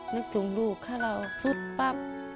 นึกถึงลูกค่ะเราซุดป้ับ